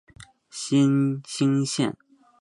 新兴线